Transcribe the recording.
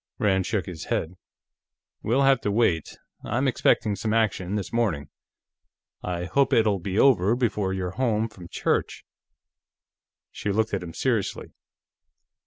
Rand shook his head. "We'll have to wait. I'm expecting some action this morning; I hope it'll be over before you're home from church." She looked at him seriously.